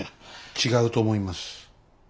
違うと思います。